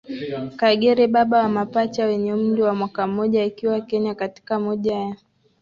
Kagere baba wa mapacha wenye umri wa mwaka mmoja akiwa Kenya katika moja ya